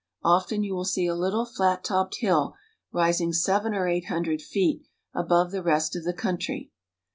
Often you will see a little flat topped hill rising seven or eight hundred feet above the rest of the country.